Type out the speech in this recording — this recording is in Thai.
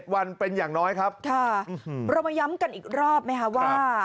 วันเป็นอย่างน้อยครับค่ะเรามาย้ำกันอีกรอบไหมคะว่า